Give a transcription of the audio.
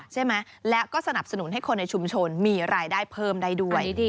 ใช่ไหมและก็สนับสนุนให้คนในชุมชนมีรายได้เพิ่มได้ด้วย